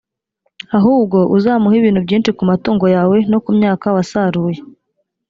ahubwo uzamuhe ibintu byinshi ku matungo yawe no ku myaka wasaruye,